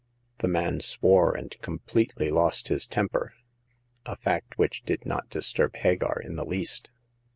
The man swore and completely lost his temper — a fact which did not disturb Hagar in the least.